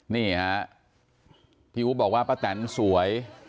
นี่ฮะพี่อู๋บอกว่าป้าแตนสวย